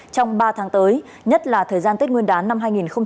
trong ba tháng tới nhất là thời gian tết nguyên đán năm hai nghìn hai mươi